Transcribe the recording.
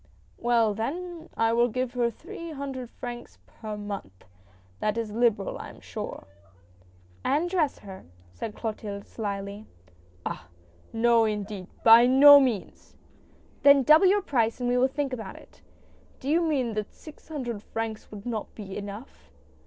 "Well then I will give her three hundred francs per month ! That is liberal, I am sure." "And dress her," said Clotilde, slyly. "Ah! No indeed! by no means." " Then double your price and we will think about it." " Do you mean that six hundred francs would not be enough